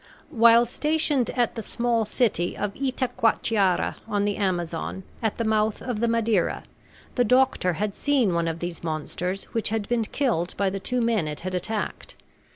While stationed at the small city of Itacoatiara, on the Amazon, at the mouth of the Madeira, the doctor had seen one of these monsters which had been killed by the two men it had attacked.